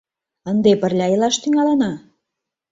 Ынде пырля илаш тӱҥалына?